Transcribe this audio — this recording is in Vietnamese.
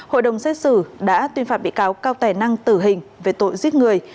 hội đồng xét xử đã tuyên phạt bị cáo cao tài năng tử hình về tội giết người